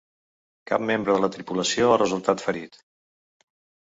Cap membre de la tripulació ha resultat ferit.